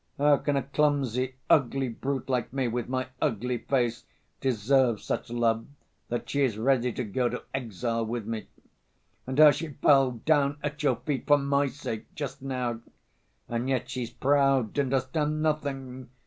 How can a clumsy, ugly brute like me, with my ugly face, deserve such love, that she is ready to go to exile with me? And how she fell down at your feet for my sake, just now!... and yet she's proud and has done nothing!